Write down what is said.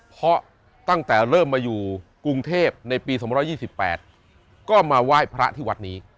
เพราะตั้งแต่เริ่มมาอยู่กรุงเทพในปี๒๒๘ก็มาไหว้พระที่วัดนี้